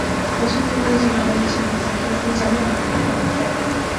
ওসমান গনি যে মারা গেছেন তা কি আপনি জানেন?